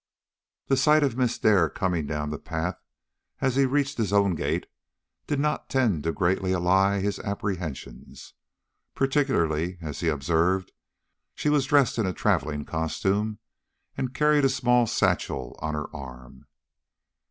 The sight of Miss Dare coming down the path as he reached his own gate did not tend to greatly allay his apprehensions, particularly as he observed she was dressed in travelling costume, and carried a small satchel on her arm.